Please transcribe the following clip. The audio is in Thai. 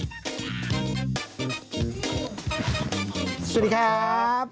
สวัสดีครับ